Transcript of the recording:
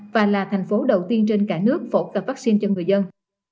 và là thành phố đầu tiên trên cả nước phổ cập vaccine cho người dân